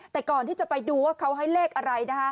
แต่ก่อนที่จะไปดูว่าเขาให้เลขอะไรนะคะ